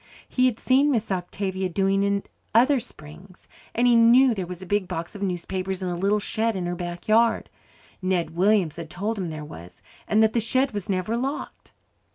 He had seen Miss Octavia doing it other springs. And he knew there was a big box of newspapers in a little shed in her backyard. Ned Williams had told him there was, and that the shed was never locked.